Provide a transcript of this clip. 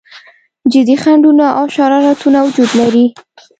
جدي خنډونه او شرارتونه وجود لري.